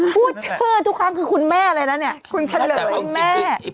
พูดแล้วทุกครั้งคือคุณแม่อะไรนะนี่